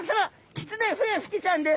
キツネフエフキちゃんです！